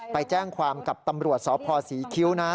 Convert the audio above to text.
ไปแจ้งความกับตำรวจสพศรีคิ้วนะ